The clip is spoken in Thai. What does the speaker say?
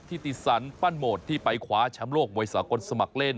ติสันปั้นโหมดที่ไปคว้าแชมป์โลกมวยสากลสมัครเล่น